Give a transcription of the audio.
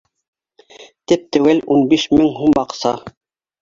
— Теп-теәүл ун биш мең һум аҡса